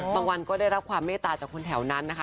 บางวันก็ได้รับความเมตตาจากคนแถวนั้นนะคะ